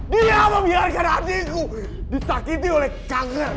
dia membiarkan adikku disakiti oleh kanker